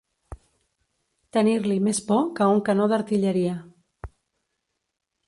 Tenir-li més por que a un canó d'artilleria.